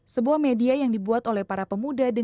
sebuah media yang dibuat oleh para penyandang disabilitas